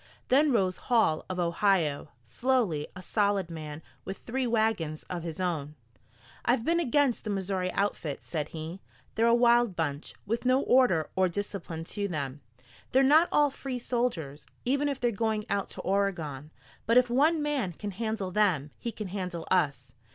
Then rose Hall of Ohio, slowly, a solid man, with three wagons of his own. "I've been against the Missouri outfit," said he. "They're a wild bunch, with no order or discipline to them. They're not all free soilers, even if they're going out to Oregon. But if one man can handle them, he can handle us.